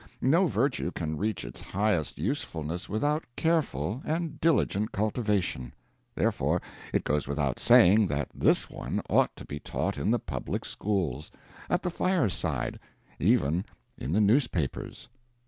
No virtue can reach its highest usefulness without careful and diligent cultivation therefore, it goes without saying that this one ought to be taught in the public schools at the fireside even in the newspapers.